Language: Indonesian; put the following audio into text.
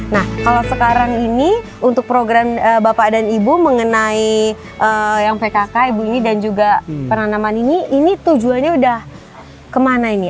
nah kalau sekarang ini untuk program bapak dan ibu mengenai yang pkk ibu ini dan juga penanaman ini ini tujuannya udah kemana ini